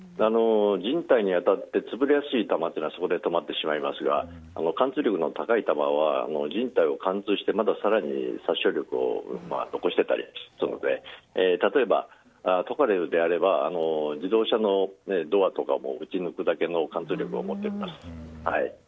人体に当たって潰れやすい弾はそこで止まってしまいますが貫通力の高い弾は人体を貫通してまた更に殺傷力を残していたりするので例えば、トカレフであれば自動車のドアとかも撃ち抜くだけの貫通力を持っています。